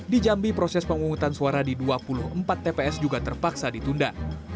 di jambi proses pemungutan suara di dua puluh empat tps juga terpaksa ditunda